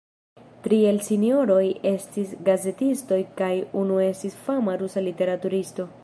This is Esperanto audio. Tri el la sinjoroj estis gazetistoj kaj unu estis fama rusa literaturisto.